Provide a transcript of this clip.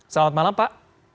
selamat malam pak